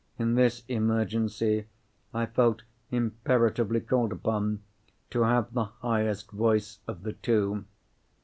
In this emergency, I felt imperatively called upon to have the highest voice of the two.